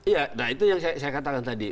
iya nah itu yang saya katakan tadi